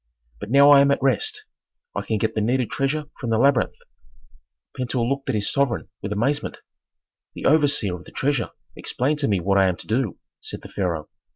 But now I am at rest; I can get the needed treasure from the labyrinth." Pentuer looked at his sovereign with amazement. "The overseer of the treasure explained to me what I am to do," said the pharaoh.